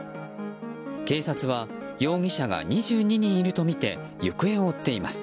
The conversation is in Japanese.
警察は容疑者が２２人いるとみて行方を追っています。